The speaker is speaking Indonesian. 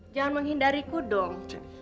jangan menghindariku dong